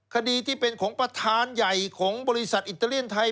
คดีที่เป็นของประธานใหญ่ของบริษัทอิตาเลียนไทย